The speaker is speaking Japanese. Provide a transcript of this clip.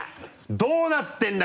どうなってるんだ？